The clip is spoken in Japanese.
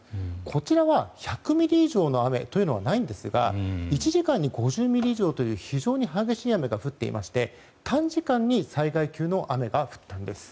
こちらは１００ミリ以上の雨というのはないんですが１時間に５０ミリ以上という非常に激しい雨が降っていまして短時間に災害級の雨が降ったんです。